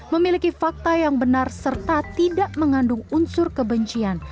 memiliki fakta yang benar serta tidak mengandung unsur kebencian